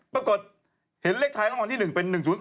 ปรากฏเห็นเลขท้ายรางวัลที่๑เป็น๑๐๒